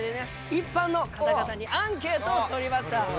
一般の方々にアンケートを取りました。